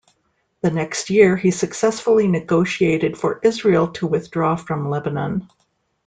The next year he successfully negotiated for Israel to withdraw from Lebanon.